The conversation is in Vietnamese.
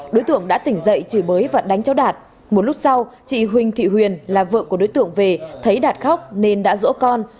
đối tượng đã tỉnh dậy chửi bới và đánh cháu đạt một lúc sau chị huỳnh thị huyền là vợ của đối tượng về thấy đạt khóc nên đã rỗ con